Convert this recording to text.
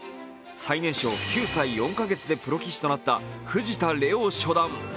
最年少・９歳４か月でプロ棋士となった藤田玲央初段。